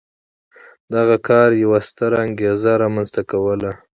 دغه کار یوه ستره انګېزه رامنځته کوله.